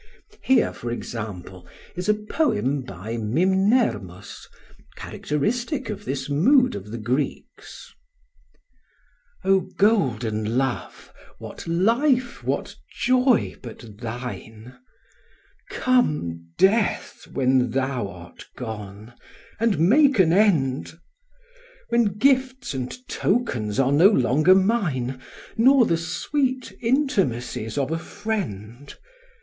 Here, for example, is a poem by Mimnermus characteristic of this mood of the Greeks: "O golden Love, what life, what joy but thine? Come death, when thou art gone, and make an end! When gifts and tokens are no longer mine, Nor the sweet intimacies of a friend.